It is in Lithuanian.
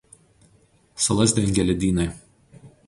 Salas dengia ledynai.